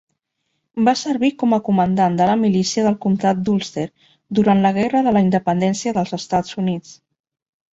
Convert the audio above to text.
Va servir com a comandant de la milícia del comtat d'Ulster durant la Guerra de la Independència dels Estats Units.